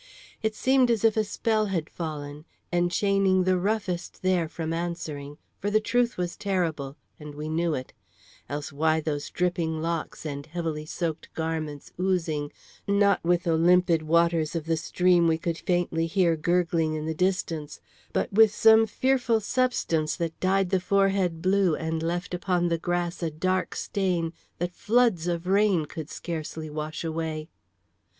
It seemed as if a spell had fallen, enchaining the roughest there from answering, for the truth was terrible, and we knew it; else why those dripping locks and heavily soaked garments oozing, not with the limpid waters of the stream we could faintly hear gurgling in the distance, but with some fearful substance that dyed the forehead blue and left upon the grass a dark stain that floods of rain would scarcely wash away?